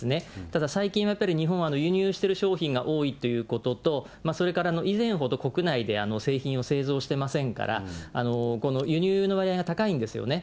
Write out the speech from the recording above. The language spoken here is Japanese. ただ、最近はやっぱり日本は輸入している商品が多いということと、それから以前ほど国内で製品を製造してませんから、輸入の割合が高いんですよね。